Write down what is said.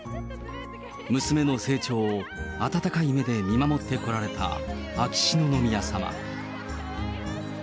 娘の成長を温かい目で見守ってこられた秋篠宮さま。